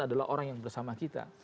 adalah orang yang bersama kita